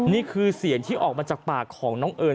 นี่คือเสียงที่ออกมาจากปากของน้องเอิญ